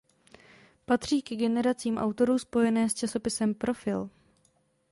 Patří ke generaci autorů spojené s časopisem "Profil".